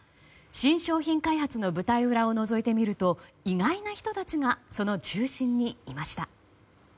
新商品開発の舞台裏をのぞいてみると意外な人たちがその中心にいました。